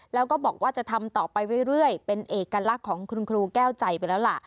แล้วก็บอกว่าจะทำต่อไปเรื่อยเป็นเอกลักษณ์ของคุณครูแก้วใจไปแล้วล่ะ